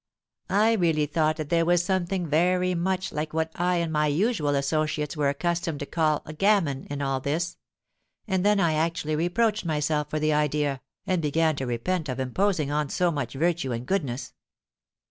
I really thought that there was something very much like what I and my usual associates were accustomed to call 'gammon' in all this; and then I actually reproached myself for the idea, and began to repent of imposing on so much virtue and goodness.